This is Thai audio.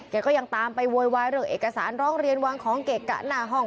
ก็ยังตามไปโวยวายเรื่องเอกสารร้องเรียนวางของเกะกะหน้าห้อง